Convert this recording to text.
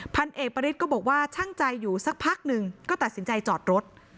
พันเอกปริศก็บอกว่าช่างใจอยู่สักพักหนึ่งก็ตัดสินใจจอดรถ